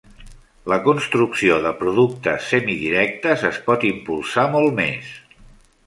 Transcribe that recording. La construcció de productes semidirectes es pot impulsar molt més.